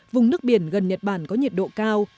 vùng nước biển gần nhật bản có nhiệt độ cao